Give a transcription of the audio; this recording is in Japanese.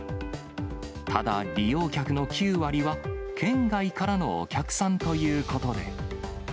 ただ、利用客の９割は県外からのお客さんということで。